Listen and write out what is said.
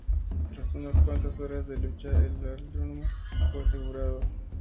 Tras unas cuantas horas de lucha, el aeródromo fue asegurado.